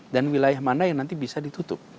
dan wilayah mana yang nanti bisa ditutup